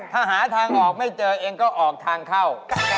ถ้าหาทางออกไม่เจอเองก็ออกทางเข้า